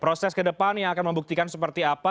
proses kedepannya akan membuktikan seperti apa